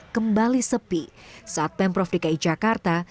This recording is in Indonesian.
kembali sepi saat pemprov dki jakarta